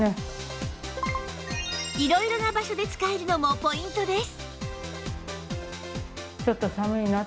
色々な場所で使えるのもポイントです